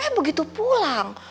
eh begitu pulang